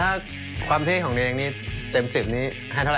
แล้วถ้าความพี่ของเรียงนี้เต็ม๑๐นี้ให้เท่าไร